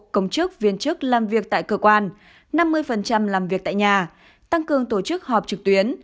công chức viên chức làm việc tại cơ quan năm mươi làm việc tại nhà tăng cường tổ chức họp trực tuyến